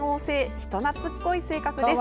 人懐っこい性格です。